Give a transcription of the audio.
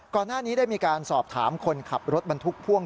ก่อนหน้านี้ได้มีการสอบถามคนขับรถบรรทุกพ่วง